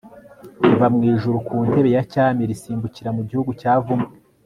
riva mu ijuru ku ntebe ya cyami risimbukira mu gihugu cyavumwe